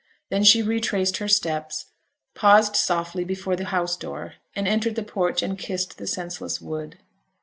Then she retraced her steps; paused softly before the house door, and entered the porch and kissed the senseless wood.